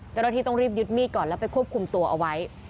เจ้าหน้าที่ต้องรีบยึดมีดก่อนแล้วไปควบคุมตัวเอาไว้